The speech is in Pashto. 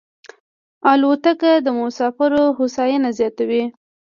الوتکه د مسافرو هوساینه زیاتوي.